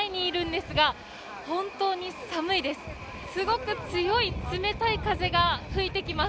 すごく強い、冷たい風が吹いてきます。